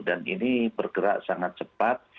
dan ini bergerak sangat cepat